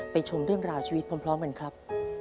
ชมเรื่องราวชีวิตพร้อมกันครับ